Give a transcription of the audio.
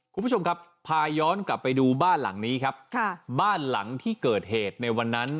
คุณผู้ชมครับพาย้อนกลับไปดูบ้านหลังนี้ครับค่ะบ้านหลังที่เกิดเหตุในวันนั้น